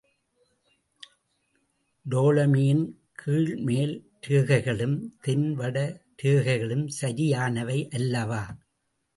டோலமியின் கீழ்மேல் ரேகைகளும், தென் வட ரேகைகளும் சரியானவை அல்லவா?